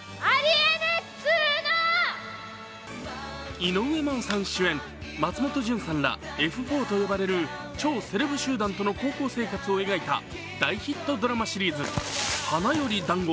井上真央さん主演、松本潤さんらＦ４と呼ばれる超セレブ集団との高校生活を描いた大ヒットドラマシリーズ「花より男子」